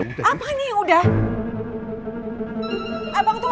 abang tuh mau berangkat